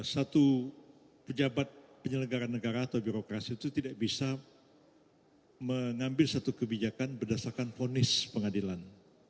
satu pejabat penyelenggara negara atau birokrasi itu tidak bisa mengambil satu kebijakan berdasarkan fonis pengadilan